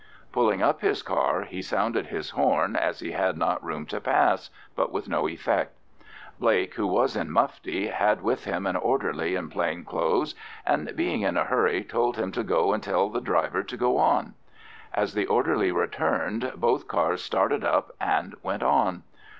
Pulling up his car, he sounded his horn, as he had not room to pass, but with no effect. Blake, who was in mufti, had with him an orderly in plain clothes, and being in a hurry told him to go and tell the driver to go on. As the orderly returned, both cars started up and went on.